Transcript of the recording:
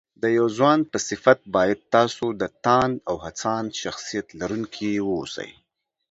د يو ځوان په صفت بايد تاسو د تاند او هڅاند شخصيت لرونکي واوسئ